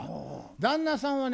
旦那さんはね